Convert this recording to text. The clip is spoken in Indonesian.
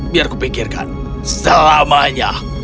biar kupikirkan selamanya